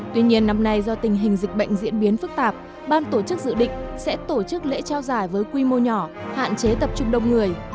tuy nhiên năm nay do tình hình dịch bệnh diễn biến phức tạp ban tổ chức dự định sẽ tổ chức lễ trao giải với quy mô nhỏ hạn chế tập trung đông người